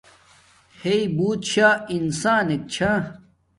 ہݵݵ بوت شاہ انسانک چھہ